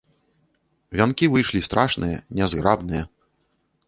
Вянкі выйшлі страшныя, нязграбныя.